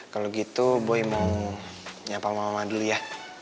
kalau gitu boy mau nyapa mama dulu ya